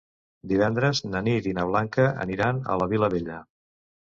Divendres na Nit i na Blanca aniran a la Vilavella.